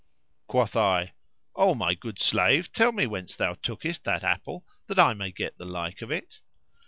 Quoth I, "O my good slave, tell me whence thou tookest that apple, that I may get the like of it?"